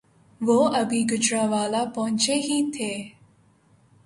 وہ ابھی گوجرانوالہ پہنچے ہی تھے